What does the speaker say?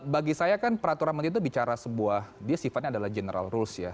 bagi saya kan peraturan menteri itu bicara sebuah dia sifatnya adalah general rules ya